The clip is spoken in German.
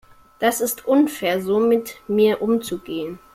Das ist unfair, so mit mir umzugehen.